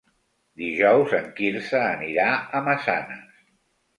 Dijous en Quirze anirà a Massanes.